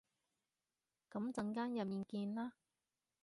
噉陣間入面見啦